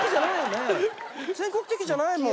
全国的じゃないよね？